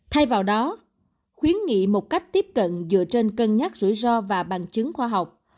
thay vào đó khuyến nghị một cách tiếp cận dựa trên cân nhắc rủi ro và bằng chứng khoa học